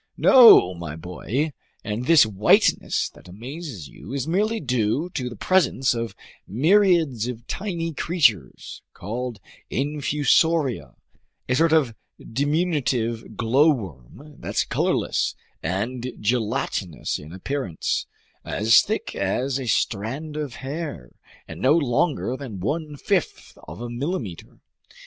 "No, my boy, and this whiteness that amazes you is merely due to the presence of myriads of tiny creatures called infusoria, a sort of diminutive glowworm that's colorless and gelatinous in appearance, as thick as a strand of hair, and no longer than one fifth of a millimeter.